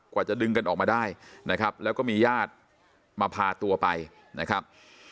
กว่าจะดึงกันออกมาได้นะครับแล้วก็มีญาติมาพาตัวไปนะครับ